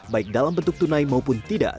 baik dalam bentuk tunai maupun tidak